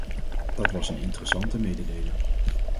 Dat was een interessante mededeling.